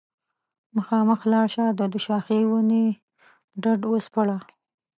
مخامخ لاړه شه د دوشاخې ونې ډډ وسپړه